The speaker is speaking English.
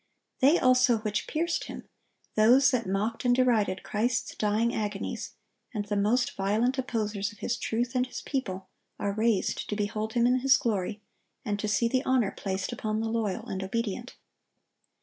"They also which pierced Him,"(1097) those that mocked and derided Christ's dying agonies, and the most violent opposers of His truth and His people, are raised to behold Him in His glory, and to see the honor placed upon the loyal and obedient.